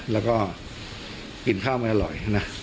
แล้วก็กินข้าวไม่อร่อยนะ